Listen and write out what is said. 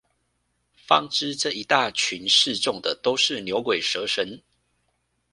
方知這一大群示眾的都是牛鬼蛇神